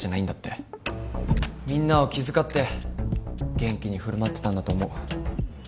みんなを気遣って元気に振る舞ってたんだと思う。